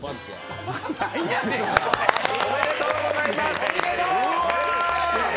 おめでとうございます！